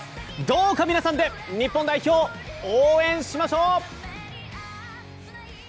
どうか、皆さんで日本代表を応援しましょう！